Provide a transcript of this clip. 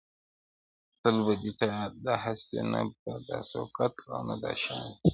• تل به دي نه دا هستي وي نه به دا سوکت او شان وي..